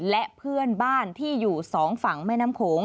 และเพื่อนบ้านที่อยู่สองฝั่งแม่น้ำโขง